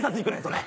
それ。